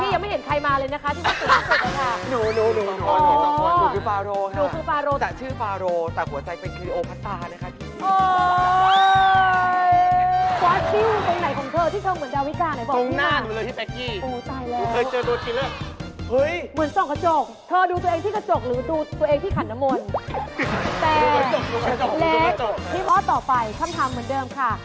พี่ยังไม่เห็นใครมาเลยนะคะที่สวยที่สุดเลยค่ะ